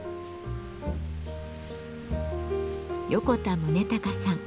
横田宗隆さん。